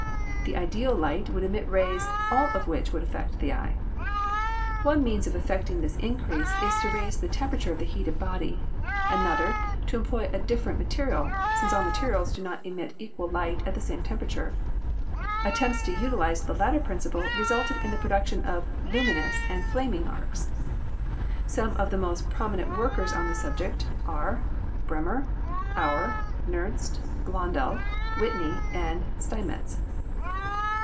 The ideal light would emit rays all of which would affect the eye. One means of effecting this increase is to raise the temperature of the heated body; another, to employ a different material, since all materials do not emit equal light at the same temperature. Attempts to utilize the latter principle resulted in the production of "luminous" and "flaming" arcs. Some of the most prom inent workers on this subject are Bremer, Auer, Nernst, Blondel, Whitney and Steinmetz.